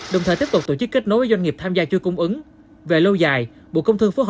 đồng thời tiếp tục tổ chức kết nối với doanh nghiệp tham gia chơi cung ứng